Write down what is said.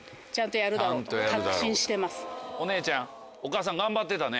お姉ちゃんお母さん頑張ってたね。